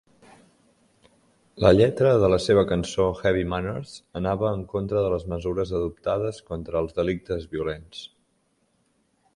La lletra de la seva cançó "Heavy Manners" anava en contra de les mesures adoptades contra els delictes violents.